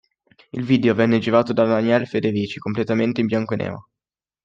Il video venne girato da Danielle Federici, completamente in bianco e nero.